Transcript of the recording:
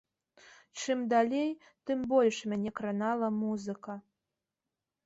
Чым далей, тым больш мяне кранала музыка.